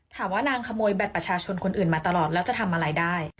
ถามว่านางขโมยบัตรประชาชนคนอื่นมาตลอดแล้วจะทำอะไรได้